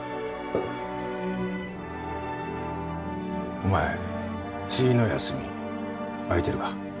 お前次の休み空いてるか？